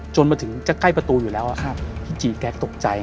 จนมาถึงจะใกล้ประตูอยู่แล้วพี่จีแก๊ตกใจ